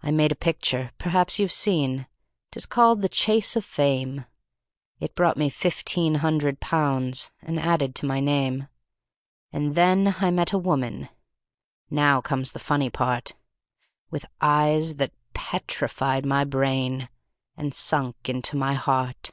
"I made a picture perhaps you've seen, 'tis called the `Chase of Fame.' It brought me fifteen hundred pounds and added to my name, And then I met a woman now comes the funny part With eyes that petrified my brain, and sunk into my heart.